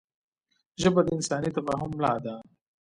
ژبه د انساني تفاهم ملا ده